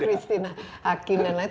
kristina hakim dan lain sebagainya